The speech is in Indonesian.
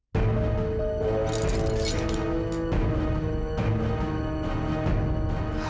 apa sih kak